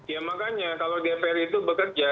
ya makanya kalau dpr itu bekerja